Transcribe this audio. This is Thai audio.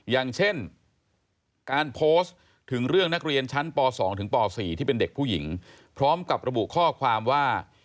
อย่างเช่นการโพสต์ถึงเรื่องนักเรียนชั้นป๒ถึงป๔ที่เป็นเด็กผู้หญิงพร้อมกับระบุข้อความว่า